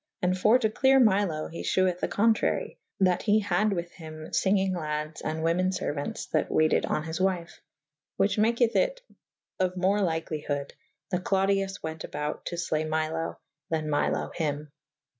And for to clere Milo he fhew eth the contrary / that he had with hym fyngyng laddes and women feruantes that wayted on his wyfe / whiche maketh it of more likely hod that Clodius wente about to flee Milo: than Milo hym.